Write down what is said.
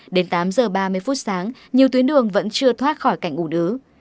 đến tám giờ ba mươi phút sáng nhiều tuyến đường vẫn chưa thoát khỏi cảnh ngủ đứa